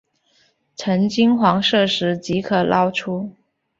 呈金黄色时即可捞出。